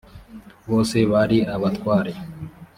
bose bari abatware